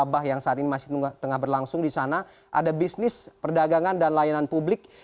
wabah yang saat ini masih tengah berlangsung di sana ada bisnis perdagangan dan layanan publik